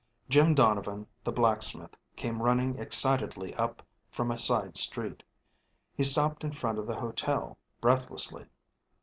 Jim Donovan, the blacksmith, came running excitedly up from a side street. He stopped in front of the hotel, breathlessly.